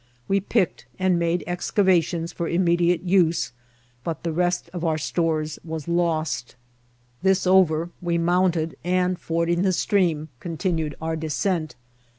We picked and made excavations for immediate use, but the rest of our stores was lost. This over, we mounted, and, fording the stream, continued our descent.